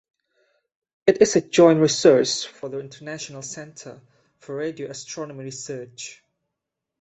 It is a joint resource for the International Centre for Radio Astronomy Research.